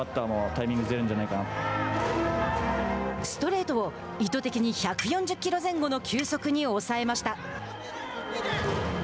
ストレートを意図的に１４０キロ前後の球速に抑えました。